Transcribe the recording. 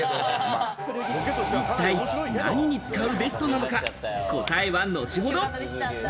一体何に使うベストなのか、答えは後ほど。